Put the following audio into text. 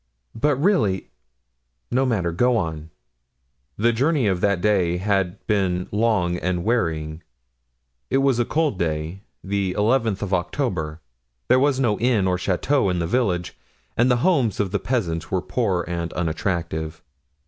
But really—No matter, go on." "The journey of that day had been long and wearing; it was a cold day, the eleventh of October, there was no inn or chateau in the village and the homes of the peasants were poor and unattractive.